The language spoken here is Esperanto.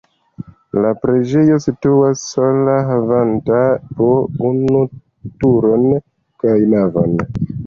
La preĝejo situas sola havanta po unu turon kaj navon.